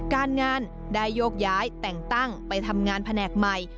การงานได้โยกย้ายแต่งตั้งไปทำงานแผนกใหม่